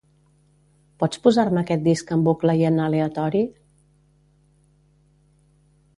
Pots posar-me aquest disc en bucle i en aleatori?